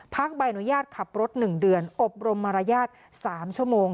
ใบอนุญาตขับรถ๑เดือนอบรมมารยาท๓ชั่วโมง